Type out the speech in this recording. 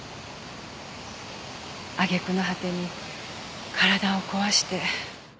揚げ句の果てに体を壊して。